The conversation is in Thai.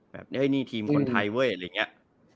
แบบแล้วนี่ทีมคนไทยเว้ย